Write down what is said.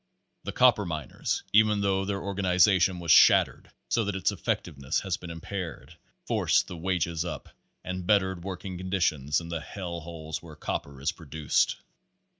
The copper miners, even though their organization was shattered so that its effectiveness has been im paired, forced the wages up and bettered working con ditions in the hell holes where copper is produced.